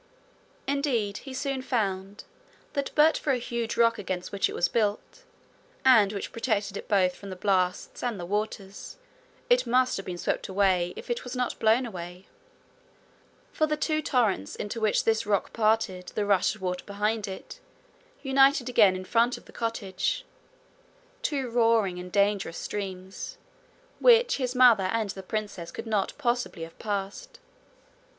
Indeed he soon found that but for a huge rock against which it was built, and which protected it both from the blasts and the waters, it must have been swept if it was not blown away; for the two torrents into which this rock parted the rush of water behind it united again in front of the cottage two roaring and dangerous streams, which his mother and the princess could not possibly have passed.